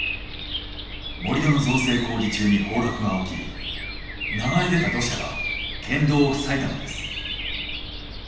盛り土の造成工事中に崩落が起き流れ出た土砂が県道を塞いだのです。